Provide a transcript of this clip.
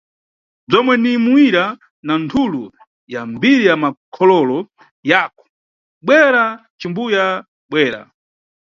Bzomwe ni muwira na nthulu ya mbiri ya makhololo yako, bwera, cimbuya, bwera.